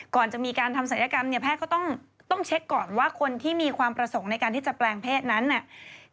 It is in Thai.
ก่อนจะมีการทำศัลยกรรมเนี่ยแพทย์ก็ต้องเช็คก่อนว่าคนที่มีความประสงค์ในการที่จะแปลงเพศนั้นเนี่ย